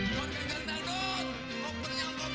kopernya untuk temuin